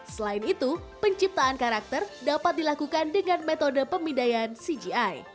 selain itu penciptaan karakter dapat dilakukan dengan metode pemindaian cgi